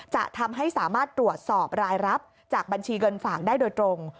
จะทำให้สามารถตรวจสอบรายรับจากบัญชีเงินฝากได้โดยตรง